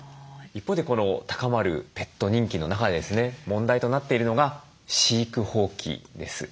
一方でこの高まるペット人気の中でですね問題となっているのが飼育放棄です。